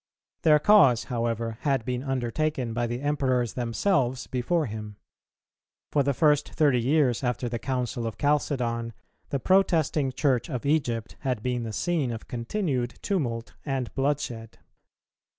Their cause, however, had been undertaken by the Emperors themselves before him. For the first thirty years after the Council of Chalcedon, the protesting Church of Egypt had been the scene of continued tumult and bloodshed.